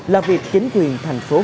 là việc chính quyền thành phố hội an